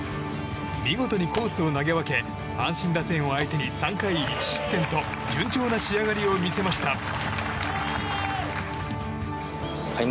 見事にコースを投げ分け阪神打線を相手に３回１失点と順調な仕上がりを見せました。